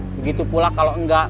begitupulah kalau enggak